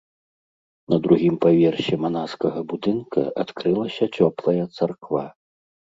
На другім паверсе манаскага будынка адкрылася цёплая царква.